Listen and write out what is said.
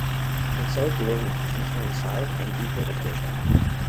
In so doing, she turned south and deeper into the trap.